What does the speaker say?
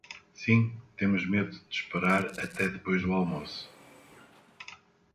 Sim, temos medo de esperar até depois do almoço.